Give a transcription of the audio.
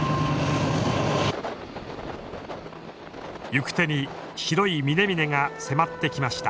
行く手に白い峰々が迫ってきました。